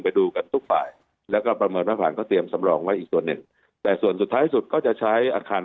โรคค้นควารันทีนไว้ในพื้นที่ทุกตำบ่น